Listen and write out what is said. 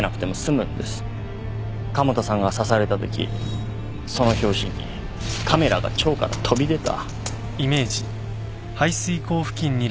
加茂田さんが刺されたときその拍子にカメラが腸から飛び出た。